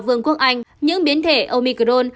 vương quốc anh những biến thể omicron